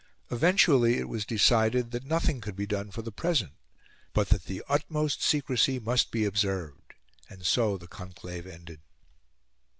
Eventually it was decided that nothing could be done for the present, but that the UTMOST SECRECY must be observed; and so the conclave ended.